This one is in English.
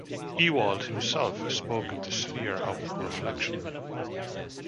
Ewald himself spoke of the sphere of reflection.